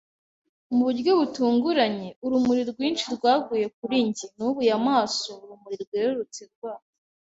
Mu buryo butunguranye, urumuri rwinshi rwaguye kuri njye. Nubuye amaso; urumuri rwerurutse rwa